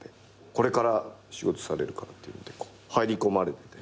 これから仕事される方っていうので入り込まれてて。